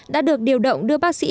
đã được điều động đưa bác sĩ